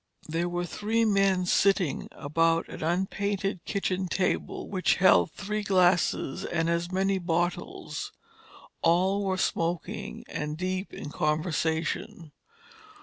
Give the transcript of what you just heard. There were three men sitting about an unpainted kitchen table which held three glasses and as many bottles. All were smoking, and deep in conversation.